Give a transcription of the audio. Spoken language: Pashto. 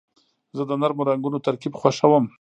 زه د نرمو رنګونو ترکیب خوښوم.